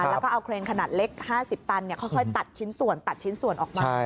แล้วก็เอาเครนขนาดเล็ก๕๐ตันค่อยตัดชิ้นส่วนตัดชิ้นส่วนออกมา